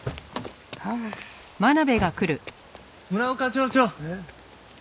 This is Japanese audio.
村岡町長。